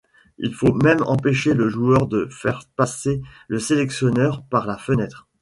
Il faut même empêcher le joueur de faire passer le sélectionneur par la fenêtre.